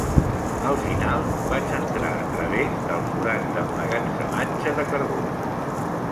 Al final vaig entrar a través del forat d'emmagatzematge de carbó.